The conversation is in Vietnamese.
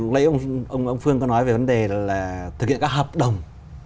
lúc nãy ông phương có nói về vấn đề là thực hiện các hợp đồng